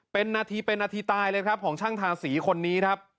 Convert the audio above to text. เป็นนาทีเป็นนาทีตายเลยครับของช่างทาสีคนนี้ครับ